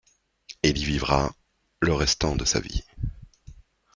Il y vivra le restant de sa vie.